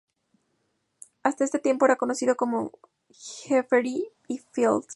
Hasta ese tiempo, era conocido como Jeffery Field.